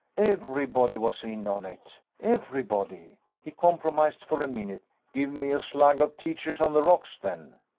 Everybody was in on it. Everybody. He compromised for a minute: "Give me a slug of Teacher's on the rocks, then."